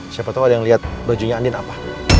siapa tau ada yang liat bajunya andin apa